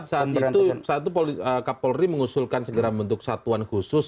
saat itu kapolri mengusulkan segera membentuk satuan khusus